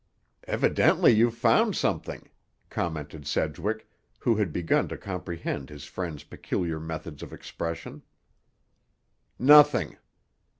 "Evidently you've found something," commented Sedgwick, who had begun to comprehend his friend's peculiar methods of expression. "Nothing."